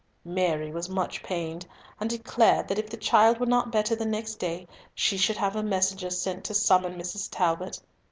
Mary was much pained, and declared that if the child were not better the next day she should have a messenger sent to summon Mrs. Talbot.